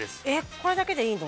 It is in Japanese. これだけでいいの？